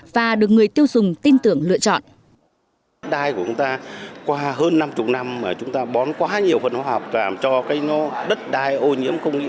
và được người tiêu dùng tin tưởng lựa chọn